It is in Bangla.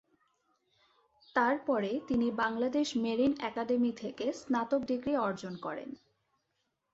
তারপরে তিনি বাংলাদেশ মেরিন একাডেমি থেকে স্নাতক ডিগ্রি অর্জন করেন।